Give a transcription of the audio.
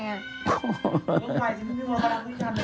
เหมือนกันอย่างน้อยเหมือนกันอย่างน้อย